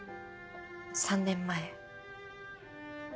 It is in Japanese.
３年前。